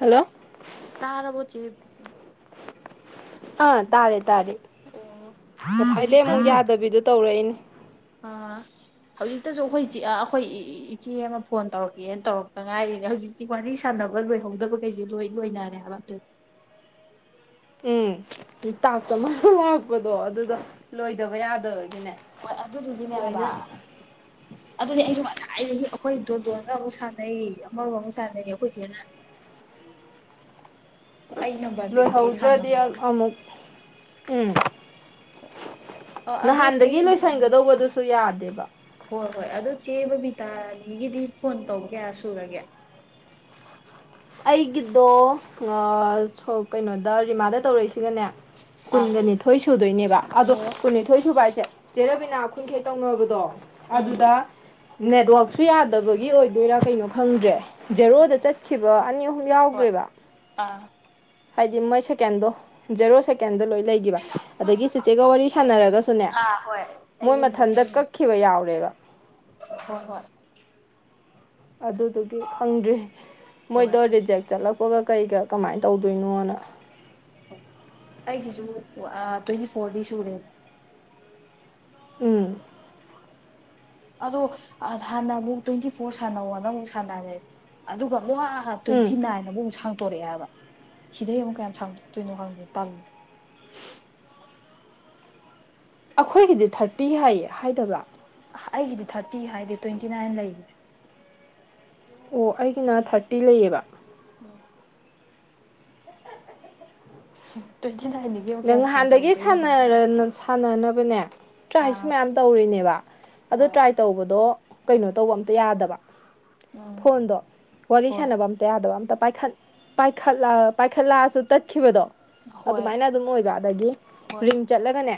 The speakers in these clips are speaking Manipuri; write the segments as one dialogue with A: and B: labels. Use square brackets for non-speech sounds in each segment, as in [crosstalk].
A: ꯍꯜꯂꯣ
B: ꯇꯥꯔꯕꯣ ꯎꯆ
A: ꯑꯥ ꯇꯥꯔꯦ ꯇꯥꯔꯦ
B: ꯑꯣ
A: ꯉꯁꯥꯏꯗꯩ ꯑꯃꯨꯛ ꯌꯥꯗꯕꯤꯗꯨ ꯇꯧꯔꯛꯏꯅꯦ
B: ꯑ ꯍꯧꯖꯤꯛꯇꯁꯨ ꯑꯩꯈꯣꯏ ꯑꯩꯈꯣꯏ ꯏꯆꯦ ꯑꯃ ꯐꯣꯟ ꯇꯧꯔꯛꯀꯦꯅ ꯇꯧꯔꯛꯇ ꯉꯥꯏꯔꯤꯅꯦ ꯍꯧꯖꯤꯛ ꯁꯤ ꯋꯥꯔꯤ ꯁꯥꯟꯅꯕ ꯂꯣꯏꯍꯧꯗꯕꯈꯩꯁꯦ ꯂꯣꯏ ꯂꯣꯏꯅꯔꯦ ꯍꯥꯏꯕ
A: ꯎꯝ ꯇꯥꯛꯁ ꯑꯃ ꯂꯥꯛꯄꯗꯣ ꯑꯗꯨꯗꯣ ꯂꯣꯏꯗꯕ ꯌꯥꯗꯕꯒꯤꯅꯦ
B: ꯍꯣꯏ ꯑꯗꯨꯗꯨꯒꯤꯅꯦ ꯍꯥꯏꯕ
A: ꯂꯣꯏꯅ
B: ꯑꯗꯨꯅꯤ ꯑꯩꯁꯨ ꯉꯁꯥꯏꯗꯒꯤ ꯑꯩꯈꯣꯏ ꯗꯣꯟꯗꯣꯟꯒ ꯑꯃꯨꯛ ꯁꯥꯟꯅꯩ ꯑꯃꯒ ꯑꯃꯨꯛ ꯁꯥꯟꯅꯩ ꯑꯩꯈꯣꯏ ꯆꯦꯅ ꯍꯣ ꯑꯩ ꯅꯝꯕꯔ ꯄꯤꯔꯛꯀꯦ
A: ꯂꯣꯏꯍꯧꯗ꯭ꯔꯗꯤ
B: ꯁꯥꯟꯅꯧꯋꯣꯅ
A: ꯑꯃꯨꯛ ꯎꯝ
B: ꯑ ꯑꯗꯣ ꯆꯦ
A: ꯅꯍꯥꯟꯗꯒꯤ ꯂꯣꯏꯁꯟꯒꯗꯧꯕꯗꯨꯁꯨ ꯌꯥꯗꯦꯕ
B: ꯍꯣꯏ ꯍꯣꯏ ꯑꯗꯨ ꯆꯦ ꯕꯤꯇꯥꯔꯥꯅꯤꯒꯤꯗꯤ ꯐꯣꯟ ꯇꯧꯕ ꯀꯌꯥ ꯁꯨꯔꯒꯦ
A: ꯑꯩꯒꯤꯗꯣ ꯑꯥ ꯀꯩꯅꯣꯗ ꯔꯤꯃꯥꯗ ꯇꯧꯔꯛꯏꯁꯤꯒꯅꯦ
B: ꯑꯥ
A: ꯀꯨꯟꯒ ꯅꯤꯊꯣꯏ ꯁꯨꯗꯣꯏꯅꯦꯕ ꯑꯗꯣ
B: ꯑꯣ
A: ꯀꯨꯟꯅꯤꯊꯣꯏ ꯁꯨꯕ ꯍꯥꯏꯁꯦ ꯆꯦꯔꯕꯤꯅꯥ ꯈꯨꯟꯈꯩ ꯇꯧꯅꯕꯗꯣ
B: ꯎꯝ
A: ꯑꯗꯨꯗ ꯅꯦꯠꯋꯥꯛꯁꯨ ꯌꯥꯗꯕꯒꯤ ꯑꯣꯏꯗꯣꯏꯔꯥ ꯀꯩꯅꯣ ꯈꯪꯗ꯭ꯔꯦ ꯖꯦꯔꯣꯗ
B: ꯎꯝ
A: ꯆꯠꯈꯤꯕ ꯑꯅꯤ ꯑꯍꯨꯝ
B: ꯍꯣꯏ
A: ꯌꯥꯎꯒ꯭ꯔꯦꯕ
B: ꯑꯥ
A: ꯍꯥꯏꯗꯤ ꯃꯣꯏ ꯁꯦꯀꯦꯟꯗꯣ ꯖꯦꯔꯣ ꯁꯦꯀꯦꯟꯗ ꯂꯣꯏ ꯂꯩ ꯑꯗꯒꯤ ꯆꯦꯆꯦꯒ ꯋꯥꯔꯤ ꯁꯥꯟꯅꯔꯒꯁꯨꯅꯦ
B: ꯑꯥ ꯍꯣꯏ ꯑꯩ
A: ꯃꯣꯏ
B: ꯌꯨꯝꯗ
A: ꯃꯊꯟꯇ
B: ꯆꯠꯂꯨꯕ
A: ꯀꯛꯈꯤꯕ ꯌꯥꯎꯔꯦꯕ
B: ꯍꯣꯏ ꯍꯣꯏ
A: ꯑꯗꯨꯗꯨꯒꯤ ꯈꯪꯗ꯭ꯔꯤ
B: ꯍꯣꯏ
A: ꯃꯣꯏꯗꯣ ꯔꯤꯖꯦꯛ ꯆꯠꯂꯛꯄꯒ ꯀꯩꯒ ꯀꯃꯥꯏꯅ ꯇꯧꯗꯣꯏꯅꯣꯅ
B: ꯑꯩꯒꯤꯁꯨ ꯑꯥ ꯇ꯭ꯋꯦꯟꯇꯤ ꯐꯣꯔꯗꯤ ꯁꯨꯔꯦ
A: ꯎꯝ
B: ꯑꯗꯣ ꯍꯥꯟꯅ ꯑꯃꯨꯛ ꯇ꯭ꯋꯦꯟꯇꯤ ꯐꯣꯔ ꯁꯥꯟꯅꯧꯅ ꯑꯃꯨꯛ ꯁꯥꯟꯅꯔꯦ ꯑꯗꯨꯒ ꯑꯃꯨꯛ ꯍꯥ
A: ꯎꯝ
B: ꯇ꯭ꯋꯦꯟꯇꯤ ꯅꯥꯏꯟ ꯑꯃꯨꯛ ꯁꯥꯡꯇꯣꯛꯑꯦꯕ ꯁꯤꯗꯩ ꯑꯃꯨꯛ ꯀꯌꯥꯝ ꯁꯥꯡꯇꯣꯛꯇꯣꯏꯅꯣ ꯈꯪꯗꯦ ꯇꯜꯂꯦ
A: ꯑꯈꯣꯏꯒꯤꯗꯤ ꯊꯥꯔꯇꯤ ꯍꯥꯏꯌꯦ ꯍꯥꯏꯗꯕ꯭ꯔꯥ
B: ꯑꯩꯒꯤꯗꯤ ꯊꯥꯔꯇꯤ ꯍꯥꯏꯗꯦ ꯇ꯭ꯋꯦꯟꯇꯤ ꯅꯥꯏꯟ ꯂꯩ
A: ꯑꯣ ꯑꯩꯒꯤꯅ ꯊꯥꯔꯇꯤ ꯂꯩꯌꯦꯕ
B: ꯎꯝ ꯇ꯭ꯋꯦꯟꯇꯤꯅꯥꯏꯟ [unintelligible]
A: ꯅꯪ ꯅꯍꯥꯟꯗꯒꯤ ꯁꯥꯟꯅꯔ ꯁꯥꯟꯅꯅꯕꯅꯦ ꯇ꯭ꯔꯥꯏꯁꯨ
B: ꯑꯥ
A: ꯃꯌꯥꯝ ꯇꯧꯔꯤꯅꯦꯕ ꯑꯗꯨ
B: ꯍꯣꯏ
A: ꯇ꯭ꯔꯥꯏ ꯇꯧꯕꯗꯣ ꯀꯩꯅꯣ ꯇꯧꯕ ꯑꯝꯇ ꯌꯥꯗꯕ
B: ꯎꯝ
A: ꯐꯣꯟꯗꯣ ꯋꯥꯔꯤ
B: ꯍꯣꯏ
A: ꯁꯥꯟꯅꯕ ꯑꯝꯇ ꯌꯥꯗꯕ ꯑꯝꯇ ꯄꯥꯏꯈꯠ ꯄꯥꯏꯈꯠꯂ ꯄꯥꯏꯈꯠꯂꯁꯨ ꯇꯠꯈꯤꯕꯗꯣ
B: ꯍꯣꯏ
A: ꯑꯗꯨꯃꯥꯏꯅ ꯑꯗꯨꯝ ꯑꯣꯏꯕ ꯑꯗꯒꯤ
B: ꯍꯣꯏ
A: ꯔꯤꯡ ꯆꯠꯂꯒꯅꯦ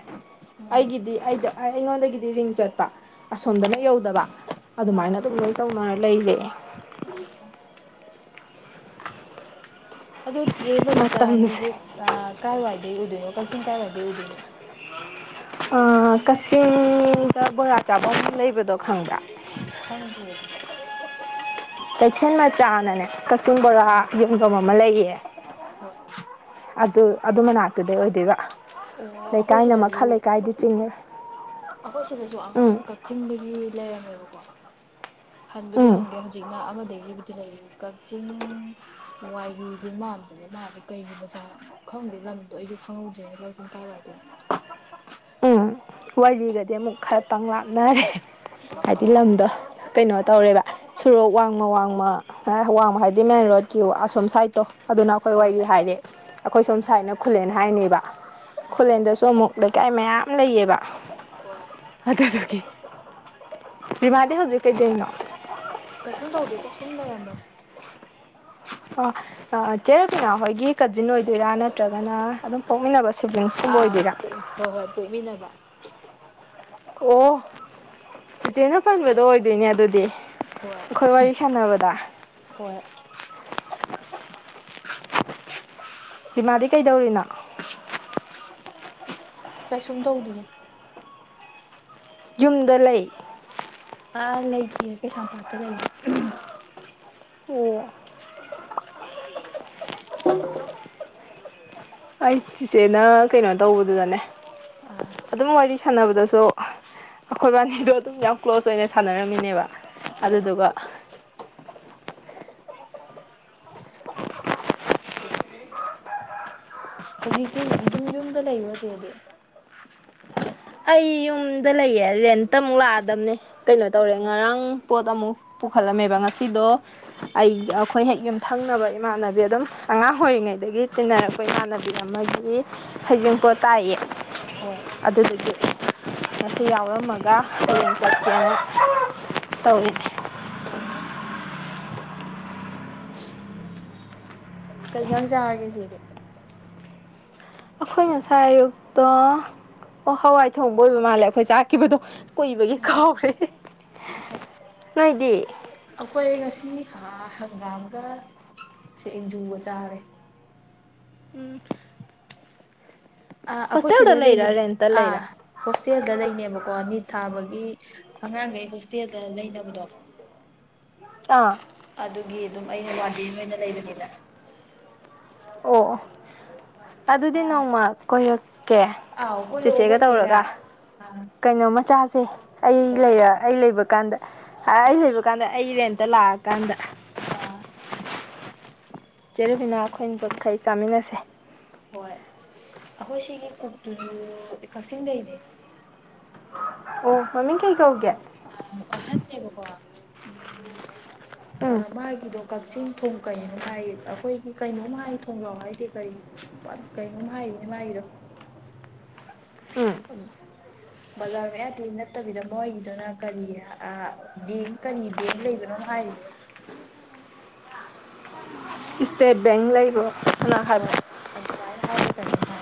B: ꯎꯝ
A: ꯑꯩꯒꯤꯗꯤ ꯑꯩꯗ ꯑꯩ ꯑꯩꯉꯣꯟꯗꯒꯤꯗꯤ ꯔꯤꯡ ꯆꯠꯄ
B: ꯍꯣꯏ
A: ꯑꯁꯣꯝꯗꯅ ꯌꯧꯗꯕ ꯑꯗꯨꯃꯥꯏꯅ
B: ꯑꯥ
A: ꯑꯗꯨꯝ ꯂꯩ ꯇꯧꯅ ꯂꯩꯔꯦ
B: [unintelligible] ꯑꯗꯣ ꯆꯦ
A: ꯃꯇꯝꯁꯦ
B: ꯕꯕꯤꯇꯥꯔꯥꯅꯤꯁꯦ ꯑꯥ ꯀꯥꯏꯋꯥꯏꯗꯩ ꯑꯣꯏꯗꯣꯏꯅꯣ ꯀꯛꯆꯤꯡ ꯀꯥꯏꯋꯥꯏꯗꯩ ꯑꯣꯏꯗꯣꯏꯅꯣ
A: ꯑꯥ ꯀꯛꯆꯤꯡꯗ ꯕꯣꯔꯥ ꯆꯥꯕꯝ ꯂꯩꯕꯗꯣ ꯈꯪꯕ꯭ꯔꯥ
B: ꯈꯟꯗꯦ ꯑꯗꯨꯗꯤ
A: ꯀꯩꯊꯦꯜ ꯃꯆꯥꯅꯅꯦ ꯀꯛꯆꯤꯡ ꯕꯣꯔꯥ
B: ꯑꯥ
A: ꯌꯨꯝꯐꯝ ꯑꯃ ꯂꯩꯌꯦ
B: ꯍꯣꯏ
A: ꯑꯗꯨ ꯑꯗꯨ ꯃꯅꯥꯛꯇꯨꯗꯩ ꯑꯣꯏꯗꯣꯏꯕ
B: ꯑꯣ ꯑꯩꯈꯣꯏ
A: ꯂꯩꯀꯥꯏꯅ
B: ꯁꯤꯗꯁꯨ
A: ꯃꯈꯥ ꯂꯩꯀꯥꯏꯗꯤ ꯆꯤꯡꯉꯦ
B: ꯑꯩꯈꯣꯏ ꯁꯤꯗꯁꯨ ꯑꯉꯥꯡ
A: ꯎꯝ
B: ꯀꯛꯆꯤꯡꯗꯒꯤ ꯂꯩꯔꯝꯃꯦꯕꯀꯣ ꯍꯟꯕꯨꯗꯤ
A: ꯎꯝ
B: ꯍꯟꯈ꯭ꯔꯦ ꯍꯧꯖꯤꯛꯅ ꯑꯃꯗꯒꯤꯕꯨꯗꯤ ꯂꯩꯔꯤ ꯀꯛꯆꯤꯡ ꯋꯥꯏꯔꯤꯗꯤ ꯃꯥꯟꯗꯕ ꯃꯥꯗꯤ ꯀꯩꯒꯤ ꯃꯆꯥ ꯈꯪꯗꯦ ꯂꯝꯗꯣ ꯑꯩꯁꯨ ꯈꯪꯍꯧꯗ꯭ꯔꯦꯅ [unintelligible] ꯑꯗꯨꯏ
A: ꯎꯝ ꯋꯥꯏ ꯂꯤꯒꯗꯤ ꯑꯃꯨꯛ ꯈꯔ ꯄꯪ ꯂꯥꯛꯅꯔꯦ
B: ꯑꯣ
A: ꯍꯥꯏꯗꯤ
B: ꯍꯣꯏ
A: ꯂꯝꯗꯣ ꯀꯩꯅꯣ ꯇꯧꯔꯦꯕ ꯁꯣꯔꯣꯛ ꯋꯥꯡꯃ ꯋꯥꯡꯃ ꯋꯥꯡꯃ ꯍꯥꯏꯗꯤ ꯃꯦꯟ ꯔꯣꯗꯀꯤ ꯑꯁꯣꯝ ꯁꯥꯏꯗꯠꯇꯣ ꯑꯗꯨꯅ ꯑꯩꯈꯣꯏ
B: ꯍꯣꯏ
A: ꯋꯥꯔꯤ ꯍꯥꯏꯔꯦ ꯑꯩꯈꯣꯏ ꯁꯣꯝ ꯁꯥꯏꯠꯅ ꯈꯨꯂꯦꯟ ꯍꯥꯏꯔꯤꯅꯦꯕ
B: ꯑꯥ
A: ꯈꯨꯂꯦꯟꯗꯁꯨ ꯑꯃꯨꯛ ꯂꯩꯀꯥꯏ ꯃꯌꯥꯝ ꯂꯩꯌꯦꯕ
B: ꯍꯣꯏ
A: ꯑꯗꯨ ꯑꯗꯨꯒꯤ ꯔꯤꯃꯥꯗꯤ ꯍꯧꯖꯤꯛ ꯀꯩꯗꯅꯣ
B: ꯀꯩꯁꯨꯝ ꯇꯧꯗꯦꯗ ꯁꯨꯝ ꯂꯩꯔꯝꯕꯅꯤ
A: ꯑꯣ ꯆꯦꯔꯇꯅ ꯈꯣꯏꯒꯤ ꯀꯖꯤꯟ ꯑꯣꯏꯗꯣꯏꯔꯥ ꯅꯠꯇ꯭ꯔꯒꯅ ꯑꯗꯨꯝ ꯄꯣꯛꯃꯤꯟꯅꯕ ꯁꯤꯕ꯭ꯂꯤꯡ
B: ꯑꯥ ꯍꯣꯏ ꯍꯣꯏ ꯄꯣꯛꯃꯤꯟꯅꯕ
A: ꯑꯣ ꯏꯆꯦꯅ ꯄꯟꯕꯗꯣ ꯑꯣꯏꯗꯣꯏꯅꯦ ꯑꯗꯨꯗꯤ
B: ꯍꯣꯏ
A: ꯑꯩꯈꯣꯏ ꯋꯥꯔꯤ ꯁꯥꯟꯅꯕꯗ
B: ꯍꯣꯏ
A: ꯁꯤꯃꯥꯗꯤ ꯀꯩꯗꯧꯔꯤꯅꯣ
B: ꯀꯩꯁꯨꯝ ꯇꯧꯗꯤꯌꯦ
A: ꯌꯨꯝꯗ ꯂꯩ
B: ꯑꯥ ꯂꯩꯇꯤꯌꯦ ꯀꯩꯁꯥꯝꯄꯥꯠꯇ ꯂꯩꯌꯦ
A: ꯑꯣ ꯑꯩ ꯆꯤꯆꯦꯅ ꯀꯩꯅꯣ ꯇꯧꯕꯗꯨꯗꯅꯦ
B: ꯑꯥ
A: ꯑꯗꯨꯝ ꯋꯥꯔꯤ ꯁꯥꯟꯅꯕꯗꯁꯨ ꯑꯩꯈꯣꯏꯕꯥꯅꯤꯗꯣ ꯑꯗꯨꯝ ꯌꯥꯝ ꯀ꯭ꯂꯣꯖ ꯑꯣꯏꯅ ꯁꯥꯟꯅꯔꯝꯃꯤꯅꯦꯕ
B: ꯍꯣꯏ
A: ꯑꯗꯨꯗꯨꯒ [inaudible]
B: ꯍꯧꯖꯤꯛꯇꯤ ꯑꯗꯨꯝ ꯌꯨꯝꯗ ꯂꯩꯕꯣꯔ ꯆꯦꯗꯤ
A: ꯑꯩ ꯌꯨꯝꯗ ꯂꯩꯌꯦ ꯔꯦꯟꯇ ꯑꯃꯨꯛ ꯂꯥꯛꯑꯗꯕꯅꯦ ꯀꯩꯅꯣ ꯇꯧꯔꯦ
B: ꯑꯣ
A: ꯉꯔꯥꯡ ꯄꯣꯠ ꯑꯃꯨꯛ ꯄꯨꯈꯠꯂꯝꯃꯦꯕ ꯉꯁꯤꯗꯣ ꯑꯩ ꯑꯩꯈꯣꯏ ꯍꯦꯛ ꯌꯨꯝꯊꯪꯅꯕ ꯏꯃꯥꯟꯅꯕꯤ ꯑꯗꯨꯝ ꯑꯉꯥꯡ ꯑꯣꯏꯔꯤꯉꯩꯗꯒꯤ ꯇꯤꯟꯅꯔꯛꯄ ꯏꯃꯥꯟꯅꯕꯤ ꯏꯃꯟꯅꯕꯤ ꯑꯃꯒꯤ ꯍꯩꯖꯤꯡꯄꯣꯠ ꯇꯥꯛꯌꯦ
B: ꯍꯣꯏ
A: ꯑꯗꯨꯗꯨꯒꯤ ꯃꯁꯤ ꯌꯥꯎꯔꯝꯃꯒ ꯍꯌꯦꯡ ꯆꯠꯀꯦꯅ ꯇꯧꯔꯤꯅꯤ
B: ꯑꯣ ꯀꯩꯖꯥꯡ ꯆꯥꯔꯒꯦ ꯆꯦꯗꯤ
A: ꯑꯩꯈꯣꯏ ꯉꯁꯥꯏ ꯑꯌꯨꯛꯇ ꯑꯣ ꯍꯋꯥꯏ ꯊꯣꯡꯕ ꯑꯣꯏꯕ ꯃꯥꯜꯂꯦ ꯑꯩꯈꯣꯏ ꯆꯥꯛꯈꯤꯕꯗꯣ ꯀꯨꯏꯕꯒꯤ ꯀꯥꯎ꯭ꯔꯦ ꯅꯣꯏꯗꯤ
B: ꯑꯩꯈꯣꯏ ꯉꯁꯤ ꯍꯪꯒꯥꯝꯒ ꯁꯤꯡꯖꯨꯒ ꯆꯥꯔꯦ
A: ꯎꯝ
B: ꯑꯥ ꯑꯩꯈꯣꯏ ꯁꯤꯗ
A: ꯍꯣꯁꯇꯦꯜꯗ
B: ꯂꯩꯃꯤ
A: ꯂꯩꯔꯥ ꯔꯦꯟꯇ
B: ꯑꯥ
A: ꯂꯩꯔꯥ
B: ꯍꯣꯁꯇꯦꯜꯗ ꯂꯩꯅꯦꯕꯀꯣ ꯅꯤꯠ ꯊꯥꯕꯒꯤ ꯑꯉꯥꯡꯈꯩ ꯍꯣꯁꯇꯦꯜꯗ ꯂꯩꯅꯕꯗꯣ
A: ꯑꯥ
B: ꯑꯗꯨꯒꯤ ꯑꯗꯨꯝ ꯑꯩꯅ ꯋꯥꯟ ꯗꯦ ꯑꯣꯏꯅ ꯂꯩꯕꯅꯦꯕ
A: ꯑꯣ ꯑꯗꯨꯗꯤ
B: ꯑꯥ
A: ꯅꯣꯡꯃ ꯀꯣꯏꯔꯛꯀꯦ
B: ꯑꯥꯎ ꯀꯣꯏꯔꯛꯑꯣ
A: ꯆꯤꯆꯦꯒ
B: ꯑꯩꯈꯣꯏ ꯆꯦꯒ
A: ꯇꯧꯔꯒ
B: ꯑꯥ
A: ꯀꯩꯅꯣꯝꯃ ꯆꯥꯁꯦ ꯑꯩ
B: ꯍꯣꯏ
A: ꯂꯩꯔ ꯑꯩ ꯂꯩꯕ ꯀꯥꯟꯗ ꯑꯩ
B: ꯍꯣꯏ
A: ꯂꯩꯕ ꯀꯥꯟꯗ ꯑꯩꯩ ꯅꯦꯟꯇ ꯂꯥꯛꯑꯀꯥꯟꯗ
B: ꯑꯥ
A: ꯆꯖꯦꯔꯨꯕꯤꯅꯥ ꯑꯩꯈꯣꯏꯅ ꯄꯨꯝꯝꯈꯩ ꯆꯥꯃꯤꯟꯅꯁꯦ
B: ꯍꯣꯏ ꯑꯩꯈꯣꯏ ꯁꯤꯒꯤ ꯀꯨꯇꯨꯖꯨ ꯀꯛꯆꯤꯡꯗꯩꯅꯦ
A: ꯑꯣ ꯃꯃꯤ ꯀꯩ ꯀꯧꯒꯦ
B: ꯑ ꯑꯍꯟꯅꯦꯕꯀꯣ
A: ꯎꯝ
B: ꯎꯝ ꯃꯥꯒꯤꯗꯣ ꯀꯛꯆꯤꯡ ꯊꯣꯡ ꯀꯩꯅꯣꯝ ꯍꯥꯏ ꯑꯩꯈꯣꯏꯒꯤ ꯀꯩꯅꯣꯝ ꯍꯥꯏ ꯊꯣꯡꯖꯥꯎ ꯍꯥꯏꯗꯦ ꯀꯔꯤ ꯄꯠ ꯀꯩꯅꯣ ꯍꯥꯏꯔꯤꯅꯦ ꯃꯒꯤꯔꯣ
A: ꯎꯝ
B: ꯎꯝ ꯕꯖꯥꯔ ꯃꯌꯥꯗ ꯅꯠꯇꯕꯤꯗ ꯃꯣꯏꯒꯤꯗꯨꯅ ꯀꯔꯤ ꯑꯥ ꯕꯦꯡ ꯀꯔꯤ ꯕꯦꯡ ꯂꯩꯕꯅꯣꯝ ꯍꯥꯏꯔꯤꯅꯦ
A: ꯏꯁꯇꯦꯠ ꯕꯦꯡ ꯂꯩꯕꯔꯣ
B: ꯍꯣꯏ ꯑꯗꯨꯃꯥꯏꯅ ꯍꯥꯏꯕ꯭ꯔꯥ ꯀꯩꯅꯣꯝ ꯍꯥꯏ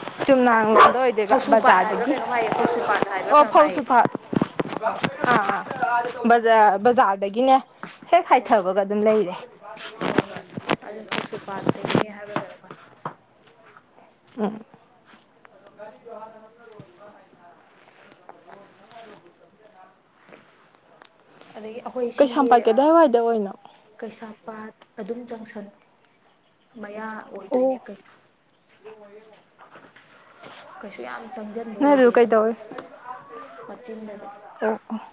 A: [unintelligible] ꯗ
B: ꯐꯧꯁꯨꯄꯥꯠ ꯍꯥꯏꯕ꯭ꯔꯥ
A: ꯕꯖꯥꯔꯗꯒꯤ
B: ꯀꯩꯅꯣꯝ ꯍꯥꯏꯌꯦ ꯐꯧꯁꯨꯄꯥꯠ ꯍꯥꯏꯕ꯭ꯔꯥ
A: ꯑꯣ
B: ꯀꯩꯅꯣꯝ
A: ꯐꯧꯁꯨ
B: ꯍꯥꯏꯌꯦ
A: ꯐꯠ
B: ꯍꯣꯏ
A: ꯑꯥ ꯑꯥ ꯕꯖꯥꯔꯗꯒꯤꯅꯦ ꯍꯦꯛ
B: ꯍꯣꯏ
A: ꯍꯥꯏꯊꯕꯒ ꯑꯗꯨꯝ ꯂꯩꯔꯦ
B: ꯍꯣꯏ ꯍꯣꯏ ꯑꯗꯨ ꯀꯁꯨꯄꯥꯥꯠꯇꯇꯩꯒꯤꯅꯦ ꯍꯥꯏꯕꯒꯩꯅꯃꯅꯤ꫰꫰
A: ꯎꯝ [inaudible]
B: ꯑꯗꯒꯤ ꯑꯩꯈꯣꯏ ꯁꯤꯒꯤ꯫
A: ꯀꯩꯁꯥꯝꯄꯥꯠ ꯀꯗꯥꯏꯋꯥꯏꯗ ꯑꯣꯏꯅꯣ
B: ꯀꯩꯁꯥꯝꯄꯥꯠ ꯑꯗꯨꯝ ꯖꯪꯁꯟ ꯃꯌꯥ ꯑꯣꯏꯗꯣꯏꯅꯦ
A: ꯑꯣ
B: ꯀ
A: [inaudible]
B: ꯀꯩꯁꯨ ꯌꯥꯝ ꯆꯪꯁꯤꯟꯕ
A: ꯅꯣꯏ
B: ꯑꯣꯏꯗꯦ
A: ꯑꯗꯨ
B: ꯑꯗꯨꯝ
A: ꯀꯩꯗꯧꯋꯤ
B: ꯃꯆꯤꯟꯗ ꯑꯗꯨꯝ
A: ꯑꯣꯐ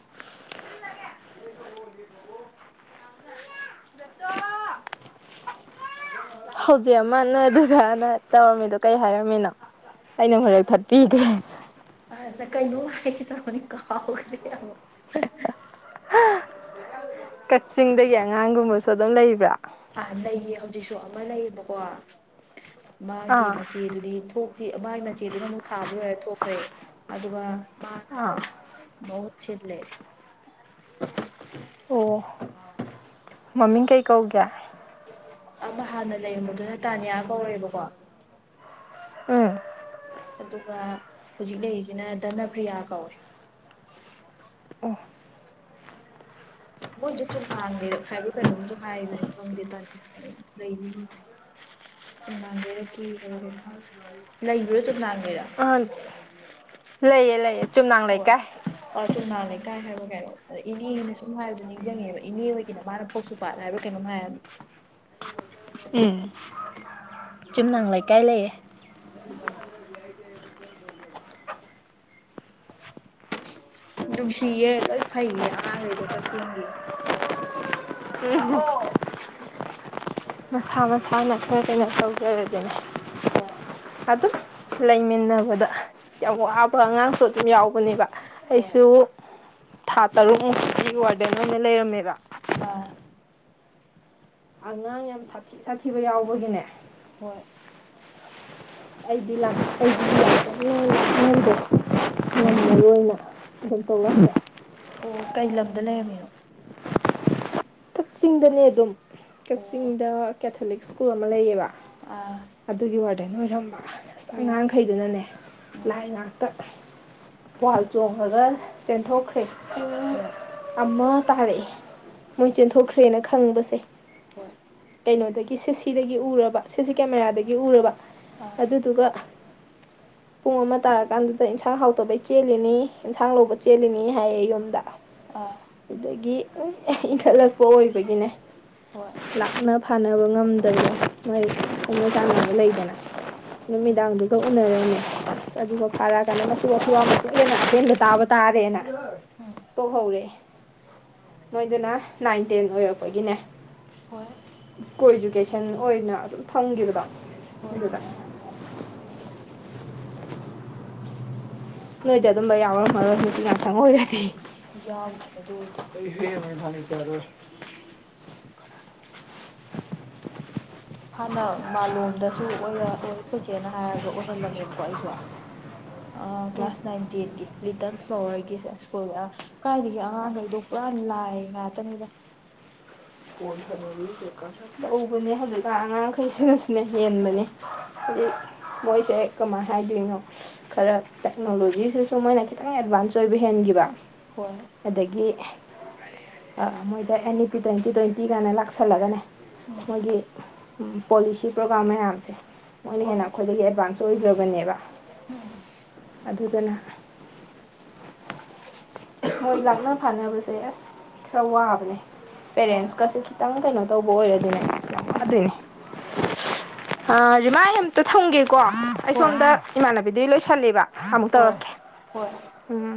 A: ꯍꯧꯖꯤꯛ ꯑꯃ ꯅꯣꯏ ꯑꯗꯨꯒꯅ ꯇꯧꯔꯝꯃꯤꯗꯣ ꯀꯩ ꯍꯥꯏꯔꯝꯃꯤꯅꯣ꯫ ꯑꯩꯅ ꯍꯣꯔꯦꯟ ꯊꯠꯄꯤꯗ꯭ꯔꯦ꯫
B: ꯑꯗ ꯀꯩꯅꯣ ꯍꯥꯏꯒꯦ ꯇꯧꯔꯣꯅꯤ ꯀꯥꯎꯒ꯭ꯔ ꯇꯃꯣ
A: ꯀꯛꯆꯤꯡꯗꯒꯤ ꯑꯉꯥꯡꯒꯨꯝꯕꯁꯨ ꯑꯗꯨꯝ ꯂꯩꯕ꯭ꯔꯥ
B: ꯑꯥ ꯂꯩꯌꯦ ꯍꯧꯖꯤꯛꯁꯨ ꯑꯃ ꯂꯩꯌꯦꯕꯀꯣ ꯃꯥꯒꯤ
A: ꯑꯥ
B: ꯃꯆꯦꯗꯨꯗꯤ ꯊꯣꯛ ꯃꯥꯒꯤ ꯃꯆꯦꯗꯨꯅ ꯑꯃꯨꯛ ꯊꯥꯕ ꯂꯣꯏꯔꯦ ꯊꯣꯛꯈ꯭ꯔꯦ ꯑꯗꯨꯒ ꯃꯥꯅ
A: ꯑꯥ
B: ꯑꯃꯨꯛ ꯃꯍꯣꯠ ꯁꯤꯗꯂꯦ꯫
A: ꯑꯣ
B: [inaudible]
A: ꯃꯃꯤꯡ ꯀꯩ ꯀꯧꯒꯦ꯫
B: ꯑꯃ ꯍꯥꯟꯅ ꯂꯩꯔꯝꯕꯗꯨꯅ ꯇꯥꯅꯤꯌꯥ ꯀꯧꯔꯦꯕꯀꯣ꯫
A: ꯎꯝ
B: ꯑꯗꯨꯒ ꯍꯧꯖꯤꯛ ꯂꯩꯔꯤꯁꯤꯅ ꯙꯅ ꯄ꯭ꯔꯤꯌꯥ ꯀꯧꯋꯦ꯫ ꯃꯣꯏꯁꯨ ꯆꯨꯝ ꯍꯥꯡꯗꯦꯔꯥ ꯈꯥꯏꯕ꯭ꯔꯣ ꯈꯥꯏꯕꯣꯝꯁꯨ ꯍꯥꯏꯈ꯭ꯔꯦ ꯈꯪꯗꯦ ꯇꯗꯤꯦ ꯂꯩꯗꯦ꯫ ꯆꯨꯝꯅꯥꯡ ꯂꯩꯔꯛꯀꯦ ꯍꯥꯏꯕ ꯀꯩꯅꯣ ꯂꯩꯕ꯭ꯔꯥ ꯆꯨꯝꯅꯥꯡ ꯂꯩꯔꯥꯛ꯫
A: ꯑꯟ ꯂꯩꯌꯦ ꯂꯩꯌꯦ꯫
B: ꯍꯣꯏ ꯑ ꯆꯣꯡꯅꯥ ꯂꯩꯀꯥꯏ ꯍꯥꯏꯕ ꯀꯩꯅꯣ ꯑꯗ ꯏꯅꯦꯅ ꯁꯨꯝ ꯍꯥꯏꯕꯗꯣ ꯅꯤꯡꯁꯤꯡꯉꯦꯕ ꯏꯅꯦ ꯑꯣꯏꯒꯤꯅ ꯃꯥꯅ ꯀꯁꯨ ꯄꯥꯠ ꯍꯥꯏꯔꯣ ꯀꯩꯅꯣꯝ ꯍꯥꯏꯌꯦ꯫
A: ꯎꯝ ꯆꯨꯝꯅꯥꯡ ꯂꯩꯀꯥꯏ ꯂꯩꯌꯦ꯫
B: [inaudible] ꯅꯨꯡꯁꯤꯌꯦ ꯂꯣꯏ ꯐꯩꯌꯦ ꯑꯉꯥꯡꯈꯩꯗꯣ ꯀꯛꯆꯤꯡꯒꯤ꯫
A: ꯎꯝ ꯃꯁꯥ ꯃꯁꯥꯅ ꯈꯔ ꯀꯩꯅꯣ ꯇꯧꯖꯔꯗꯅꯤ꯫
B: ꯍꯣꯏ
A: ꯑꯗꯨꯝ ꯂꯩꯃꯤꯟꯅꯕꯗ ꯌꯥꯝ ꯋꯥꯕ ꯑꯉꯥꯡꯁꯨ ꯑꯗꯨꯝ ꯌꯥꯎꯕꯅꯦꯕ꯫
B: ꯍꯣꯏ
A: ꯑꯩꯁꯨ ꯊꯥ ꯇꯔꯨꯛꯃꯨꯛꯇꯀꯤ ꯋꯥꯔꯗꯦꯟ ꯑꯣꯏꯅ ꯂꯩꯔꯝꯃꯦꯕ꯫
B: ꯑꯥ
A: ꯑꯉꯥꯡ ꯌꯥꯝ ꯁꯥꯤ ꯁꯥꯊꯤꯕ ꯌꯥꯎꯕꯒꯤꯅꯦ꯫
B: ꯍꯣꯏ
A: ꯑꯩꯗꯤ ꯂ ꯑꯩꯒꯤ ꯂꯥꯛꯄꯩꯗꯣ ꯌꯥꯝ
B: ꯍꯣꯏ
A: ꯃꯔꯣꯏ ꯑꯣꯏꯅ
B: ꯎꯝ
A: [unintelligible]
B: ꯑꯣ ꯀꯩ ꯂꯝꯗ ꯂꯩꯔꯝꯃꯤꯅꯣ
A: ꯀꯛꯆꯤꯡꯗꯅꯦ ꯑꯗꯨꯝ
B: ꯑꯣ
A: ꯀꯛꯆꯤꯡꯗ ꯀꯦꯊꯣꯂꯤꯛ ꯁ꯭ꯀꯨꯜ ꯑꯃ ꯂꯩꯌꯦꯕ꯫
B: ꯑꯥ
A: ꯑꯗꯨꯒꯤ ꯋꯥꯔꯗꯦꯟ ꯑꯣꯏꯔꯝꯕ ꯑꯁ
B: ꯑꯣ
A: ꯑꯉꯥꯡꯈꯩꯗꯨꯅꯅꯦ ꯂꯥꯏ ꯉꯥꯛꯇ ꯋꯥꯜ ꯆꯣꯡꯉꯒ ꯆꯦꯟꯊꯣꯛꯈ꯭ꯔꯦ꯫
B: ꯍꯣꯏ
A: ꯑꯃ ꯇꯥꯔꯛꯑꯦ ꯃꯣꯏ ꯆꯦꯟꯊꯣꯛꯈ꯭ꯔꯦꯅ ꯈꯪꯕꯁꯦ꯫
B: ꯍꯣꯏ
A: ꯀꯩꯅꯣꯗꯒꯤ ꯁꯤꯁꯤꯗꯒꯤ ꯎꯔꯕ ꯁꯤꯁꯤ ꯀꯦꯃꯦꯔꯥꯗꯒꯤ ꯎꯔꯕ
B: ꯑꯥ
A: ꯑꯗꯨꯗꯨꯒ ꯄꯨꯡ ꯑꯃ ꯇꯥꯔꯀꯥꯟꯗꯨꯗ ꯏꯟꯁꯥꯡ ꯍꯥꯎꯇꯕꯩ ꯆꯦꯜꯂꯤꯅꯤ ꯏꯟꯁꯥꯡ ꯂꯧꯕ ꯆꯦꯜꯂꯤꯅꯤ ꯍꯥꯏꯌꯦ ꯌꯨꯝꯗ
B: ꯑꫭ꯫
A: ꯑꯗꯨꯗꯒꯤ ꯏꯟꯈꯠꯂꯛꯄ ꯑꯣꯏꯕꯒꯤꯅꯦ꯫
B: ꯍꯣꯏ꯫
A: ꯂꯥꯛꯅ ꯐꯥꯅꯕ ꯉꯝꯗꯅ ꯃꯣꯏ ꯈꯪꯅ ꯆꯥꯟꯅꯕ ꯂꯩꯗꯅ꯫ ꯅꯨꯃꯤꯗꯥꯡꯗꯨꯒ ꯎꯅꯔꯝꯅꯤ ꯑꯁ ꯑꯗꯨꯒ ꯐꯥꯔꯛꯑꯀꯥꯟꯗ [inaudible] ꯇꯥꯔꯦꯅ ꯇꯣꯛꯍꯧꯔꯦ꯫ ꯅꫭꯏꯗꯅ ꯅꯥꯏꯟ ꯇꯦꯟ ꯑꯣꯏꯔꯛꯄꯒꯤꯅꯦ꯫
B: ꯍꯣꯏ꯫
A: ꯀꯣ ꯏꯖꯨꯀꯦꯁꯟ ꯑꯣꯏꯅ ꯑꯗꯨꯝ ꯐꯝꯈꯤꯕꯗꯣ
B: ꯍꯣꯏ
A: ꯑꯗꯨꯗ꯫ ꯅꯣꯏꯗꯤ ꯑꯗꯨꯝꯕ ꯌꯥꯎꯔꯝꯃꯔꯣꯏ ꯅꯨꯄꯤ ꯉꯥꯛꯇꯪ ꯑꯣꯏꯔꯗꯤ꯫
B: ꯌꯥꯎꯗ꯭ꯔꯦ ꯑꯗꯨꯗꯤ꯫
A: [inaudible]
B: ꯍꯥꯟꯅ ꯃꯥꯂꯣꯝꯗꯁꯨ ꯑꯣꯏꯔ ꯑꫭꯏ ꯈꫭꯏ ꯆꯦꯅ ꯍꯥꯏꯔꯒ ꯑꯣꯏꯍꯜꯂꯝꯃꯦꯕꯀꯣ ꯑꯩꯁꯨ꯫ ꯑ
A: ꯎꯝ
B: ꯀ꯭ꯂꯥꯁ ꯅꯥꯏꯟ ꯇꯦꯟꯒꯤ ꯂꯤꯇꯜ ꯐ꯭ꯂꯣꯋꯔꯒꯤ ꯁ꯭ꯀꯨꯜ ꯀꯥꯏꯗꯒꯤ ꯑꯉꯥꯡꯈꯩꯗꯣ ꯄꯨꯔꯥ ꯂꯥꯏ ꯉꯥꯛꯇꯅꯤꯗ꯫
A: ꯇꯧꯕꯅꯦ ꯍꯧꯖꯤꯛꯀꯥꯟ ꯑꯉꯥꯡꯈꯩꯁꯤꯅꯁꯤꯅ
B: ꯍꯣꯏ
A: ꯍꯦꯟꯕꯅꯦ꯫ ꯍꯨꯖꯤꯛ ꯃꯣꯏꯁꯦ ꯀꯃꯥꯏ ꯍꯥꯏꯗꯣꯏꯅꯣ ꯈꯔ ꯇꯦꯛꯅꯣꯂꯣꯖꯤ ꯁꯤꯁꯨ ꯃꯣꯏꯅ ꯈꯤꯇꯪ ꯑꯦꯗꯚꯥꯟꯁ ꯑꯣꯏꯕ ꯍꯦꯟꯈꯤꯕ
B: ꯍꯣꯏ
A: ꯑꯗꯒꯤ ꯃꯣꯏꯗ ꯑꯦꯅꯤ ꯄꯤ ꯇꯟ ꯇꯤ ꯇ꯭ꯋꯦꯟꯇꯤ ꯀꯥꯏꯅ ꯂꯥꯛꯁꯜꯂꯒꯅꯦ ꯃꯣꯏꯒꯤ ꯄꯣꯂꯤꯁꯤ ꯄ꯭ꯔꯣꯒꯥꯝ ꯃꯌꯥꯝꯁꯦ꯫ ꯃꯣꯏꯅ ꯍꯦꯟꯅ
B: ꯍꯣꯏ
A: ꯑꯩꯈꯣꯏꯗꯒꯤ ꯑꯦꯗꯚꯥꯟꯁ ꯑꯣꯏꯈ꯭ꯔꯕꯅꯦꯕ꯫
B: [unintelligible]
A: ꯑꯗꯨꯗꯅ ꯃꯣꯏ ꯂꯥꯛꯅ ꯐꯥꯅꯕꯁꯦ ꯑꯁ ꯈꯔ ꯋꯥꯕꯅꯦ
B: ꯍꯣꯏ
A: ꯄꯦꯔꯦꯟꯁꯀꯁꯦ ꯈꯤꯇꯪ ꯀꯩꯅꯣ ꯇꯧꯕ ꯑꯣꯏꯔꯗꯤꯅꯦ ꯌꯥꯝ
B: ꯎꯝ
A: ꯋꯥꯗꫭꯏꯅꯤ ꯑꯥ ꯔꯤꯃꯥꯏ ꯑꯝꯇ ꯊꯝꯒꯦ꯫ ꯀꯣ ꯑꯩ
B: ꯍꯣꯏ
A: ꯁꯣꯝꯗ ꯏꯃꯥꯟꯅꯕꯤꯗꯨ ꯂꯣꯏꯁꯜꯂꯤꯕ ꯑꯃꯨꯛ
B: ꯍꯣꯏ
A: ꯇꯧꯔꯛꯀꯦ
B: ꯍꯣꯏ
A: ꯎꯝ꯫